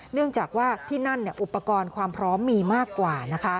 เนื่องจากว่าที่นั่นอุปกรณ์ความพร้อมมีมากกว่า